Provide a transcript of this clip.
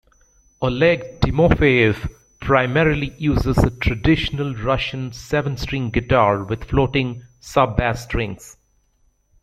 Oleg Timofeyev primarily uses a traditional Russian seven-string guitar with floating sub-bass strings.